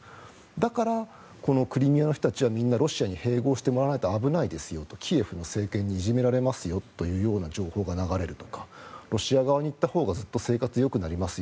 だから、このクリミアの人たちはみんなロシアに併合してもらわないと危ないですよとキエフの政権にいじめられますよという情報が流れるとかロシア側に行ったほうがずっと生活がよくなります